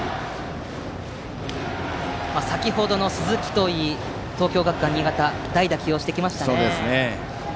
先程の鈴木といい東京学館新潟代打を起用してきますね。